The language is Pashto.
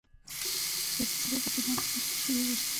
د زلزلې په جریان کې باید څه وشي؟